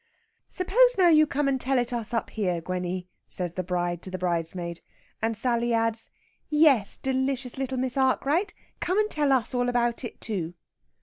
"Suppose, now, you come and tell it us up here, Gwenny," says the bride to the bridesmaid. And Sally adds: "Yes, delicious little Miss Arkwright, come and tell us all about it too."